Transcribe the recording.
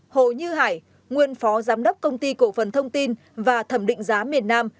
bốn hồ như hải nguyên phó giám đốc công ty cổ phần thông tin và thẩm định giá miền nam